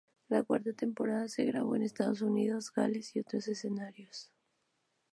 La cuarta temporada se ha grabado en Estados Unidos, Gales y otros escenarios.